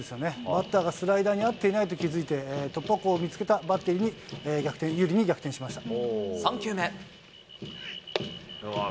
バッターがスライダーに合っていないと気付いて、突破口を見つけたバッテリーに有利に逆転しました。